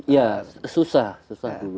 ya susah susah dulu